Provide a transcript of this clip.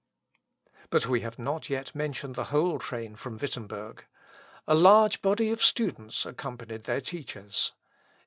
] But we have not yet mentioned the whole train from Wittemberg. A large body of students accompanied their teachers.